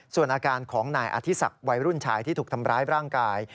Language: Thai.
ส่วนอาการของนายอธิศักดิ์วัยรุ่นชายที่ถูกทำร้ายร่างกาย